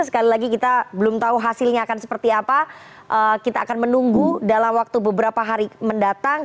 sekali lagi kita belum tahu hasilnya akan seperti apa kita akan menunggu dalam waktu beberapa hari mendatang